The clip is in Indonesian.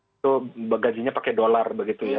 itu gajinya pakai dolar begitu ya